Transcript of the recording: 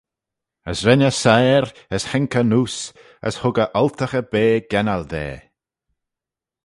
As ren eh siyr, as haink eh neose, as hug eh oltaghey-bea gennal da.